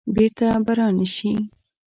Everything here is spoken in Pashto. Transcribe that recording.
بیرته به را نه شي.